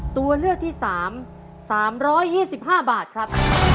ตัวเลือกที่๓๓๒๕บาทครับ